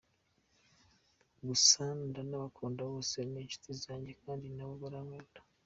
Gusa ndanabakunda bose ni inshuti zanjye kandi nabo barankunda.